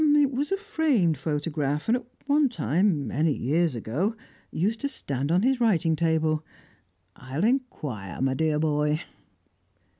"It was a framed photograph, and at one time many years ago used to stand on his writing table. I will inquire, my dear boy."